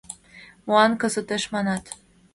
— Молан кызытеш манат?